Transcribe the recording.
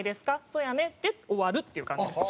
「そうやね」で終わるっていう感じです。